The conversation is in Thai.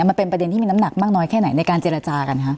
มันเป็นประเด็นที่มีน้ำหนักมากน้อยแค่ไหนในการเจรจากันคะ